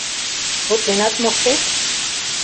— Шотленат моштет?